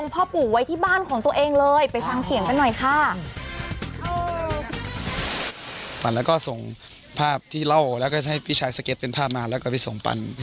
ตอนนั้นก็ส่งภาพที่เล่าแล้วก็ให้พี่ชายสเก็ตเป็นภาพมาแล้วก็ไปส่งปัน